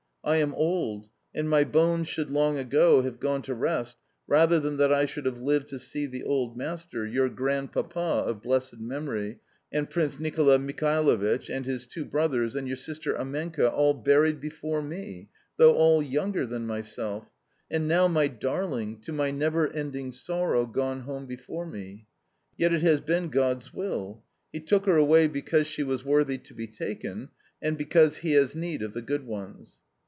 I am old, and my bones should long ago have gone to rest rather than that I should have lived to see the old master, your Grandpapa, of blessed memory, and Prince Nicola Michaelovitch, and his two brothers, and your sister Amenka all buried before me, though all younger than myself and now my darling, to my never ending sorrow, gone home before me! Yet it has been God's will. He took her away because she was worthy to be taken, and because He has need of the good ones."